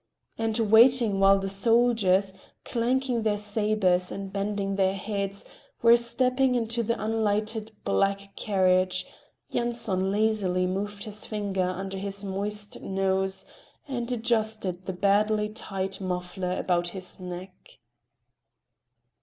And waiting while the soldiers, clanking their sabres and bending their heads, were stepping into the unlighted black carriage, Yanson lazily moved his finger under his moist nose and adjusted the badly tied muffler about his neck.